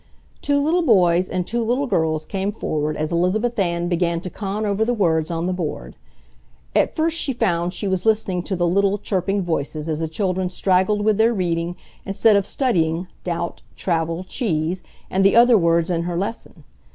Two little boys and two little girls came forward as Elizabeth Ann began to con over the words on the board. At first she found she was listening to the little, chirping voices, as the children straggled with their reading, instead of studying "doubt, travel, cheese," and the other words in her lesson.